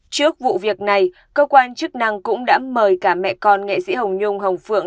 trước vụ việc này cơ quan chức năng cũng đã mời cả mẹ con nghệ sĩ hồng nhung hồng phượng